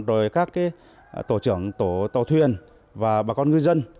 rồi các tổ trưởng tàu thuyền